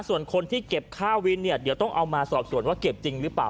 ส่วนคนที่เก็บค่าวินเนี่ยเดี๋ยวต้องเอามาสอบส่วนว่าเก็บจริงหรือเปล่า